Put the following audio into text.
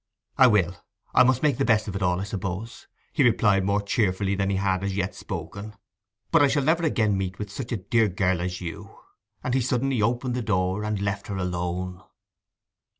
'I will. I must make the best of it all, I suppose,' he replied, more cheerfully than he had as yet spoken. 'But I shall never again meet with such a dear girl as you!' And he suddenly opened the door, and left her alone.